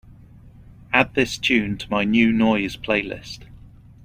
add this tune to my New Noise playlist